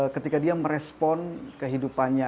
ketika dia merespon kehidupannya